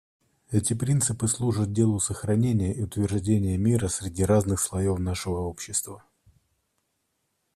Эти принципы служат делу сохранения и утверждения мира среди разных слоев нашего общества.